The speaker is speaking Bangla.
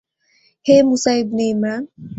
হে মূসা ইবন ইমরান!